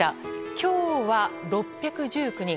今日は６１９人。